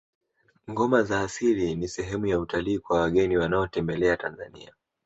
ngoma za asili ni sehemu ya utalii kwa wageni wanaotembelea tanzania